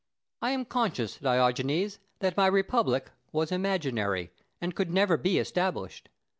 I am conscious, Diogenes, that my Republic was imaginary, and could never be established.